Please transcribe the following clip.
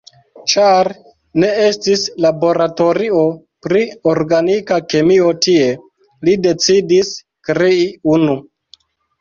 Ĉar ne estis laboratorio pri Organika Kemio tie, li decidis krei unu.